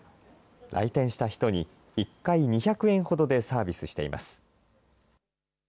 来店した人に、１回２００円ほどでサービスしています。